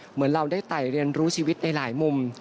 เหมือนเราได้ไต่เรียนรู้ชีวิตในหลายมุม